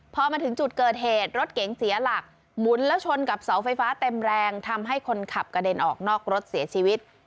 พอมาถึงจุดเกิดเหตุรถเก๋งเสียหลักหมุนแล้วชนกับเสาไฟฟ้าเต็มแรงทำให้คนขับกระเด็นออกนอกรถเสียชีวิต